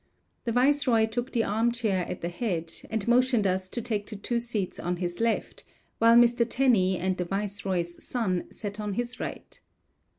The viceroy took the arm chair at the head, and motioned us to take the two seats on his left, while Mr. Tenney and the viceroy's son sat on his right.